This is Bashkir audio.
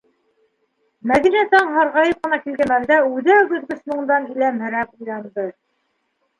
Мәҙинә таң һарғайып ҡына килгән мәлдә үҙәк өҙгөс моңдан иләмһерәп уянды.